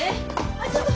あちょっと。